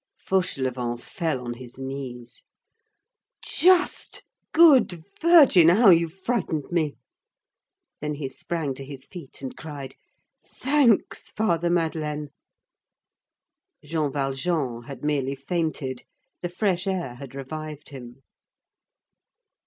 Fauchelevent fell on his knees. "Just, good Virgin! How you frightened me!" Then he sprang to his feet and cried:— "Thanks, Father Madeleine!" Jean Valjean had merely fainted. The fresh air had revived him.